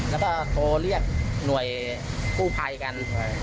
แล้วก็โทรเรียกหน่วยกู้ภัยกัน